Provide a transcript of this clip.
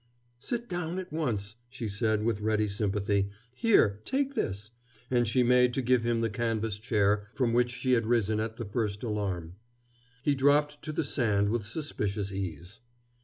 "Sit down at once," she said with ready sympathy. "Here, take this," and she made to give him the canvas chair from which she had risen at the first alarm. He dropped to the sand with suspicious ease.